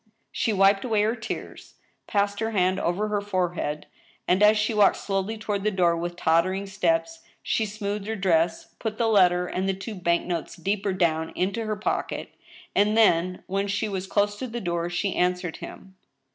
She wiped away her tears, passed her hand over her forehead, and, as she walked slowly toward the door with tottering steps, she smoothed her dress, put the letter and the two bank notes deeper down into her pocket, and then, when she was close to the door, she answered him.